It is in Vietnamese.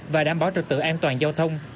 và đảm bảo trợ tự an toàn giao thông